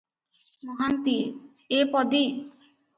ମହାନ୍ତିଏ - ଏ ପଦୀ ।